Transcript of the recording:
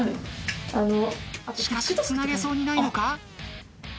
しかしつなげそうにないのか？